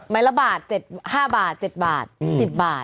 ละบาท๗๕บาท๗บาท๑๐บาท